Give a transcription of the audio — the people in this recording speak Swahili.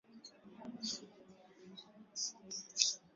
Umoja wa Mataifa waionya Libya kuhusu mapigano mapya